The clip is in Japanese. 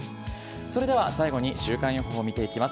それでは最後に週間予報を見ていきます。